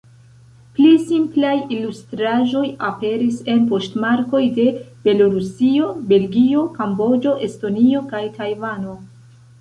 Pli simplaj ilustraĵoj aperis en poŝtmarkoj de Belorusio, Belgio, Kamboĝo, Estonio kaj Tajvano.